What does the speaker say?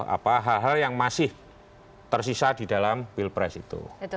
apa hal hal yang masih tersisa di dalam pilpres itu